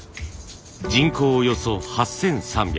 人口およそ８，３００。